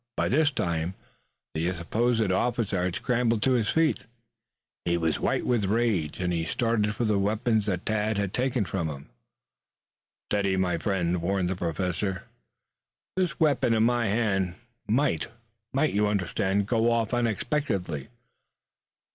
By this time the supposed officer had scrambled to his feet. He was white with rage. He started for the weapons that Tad had taken from him. "Steady, my friend!" warned the Professor. "This weapon in my hand might might, you understand go off unexpectedly.